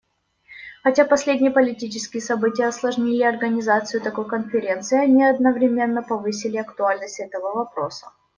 Хотя последние политические события осложнили организацию такой конференции, они одновременно повысили актуальность этого вопроса.